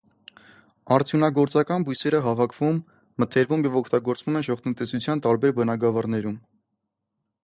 Արդյունագործական բույսերը հավաքվում, մթերվում և օգտագործվում են ժողտնտեսության տարբեր բնագավառներում։